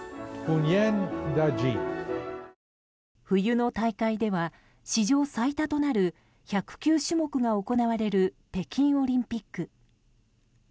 冬の大会では史上最多となる１０９種目が行われる北京オリンピック。